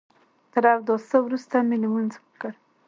تر اوداسه وروسته مې لمونځ وکړ.